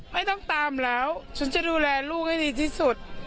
ไม่ต้องตามแล้วฉันจะดูแลลูกให้ดีที่สุด